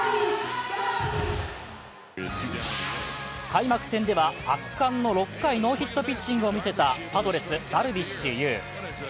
開幕戦では圧巻の６回ノーヒットピッチングを見せたパドレス・ダルビッシュ有。